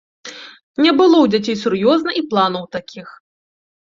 Не было ў дзяцей сур'ёзна і планаў такіх.